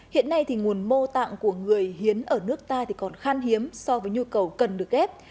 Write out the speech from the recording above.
hiện nay thì nguồn mô tạng của người hiến ở nước ta còn khan hiếm so với nhu cầu cần được ghép